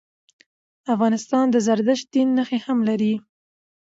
افغانستان د زردشت دین نښي هم لري.